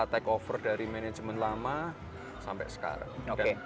take over dari manajemen lama sampai sekarang